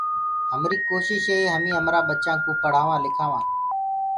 همريٚ ڪوشيٚش هي هميٚنٚ همرآ ٻچآنڪوُ پڙهآوآنٚ لکآوآنٚ۔